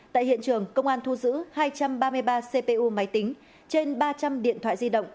tại hiện trường công an thu giữ hai trăm ba mươi ba cpu máy tính trên ba trăm linh điện thoại di động